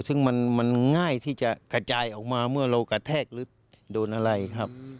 ซึ่งมันง่ายที่จะกระจายออกมาเมื่อเรากระแทกหรือโดนอะไรครับ